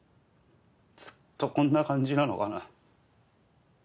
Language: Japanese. ずっとこんな感じなのかな。